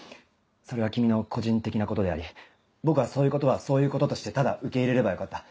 それは君の個人的なことであり僕はそういうことはそういうこととしてただ受け入れればよかった。